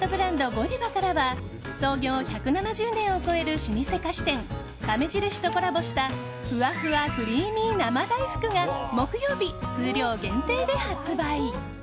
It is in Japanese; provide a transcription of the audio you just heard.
ゴディバからは創業１７０年を超える老舗菓子店亀じるしとコラボしたふわふわクリーミー生大福が木曜日、数量限定で発売！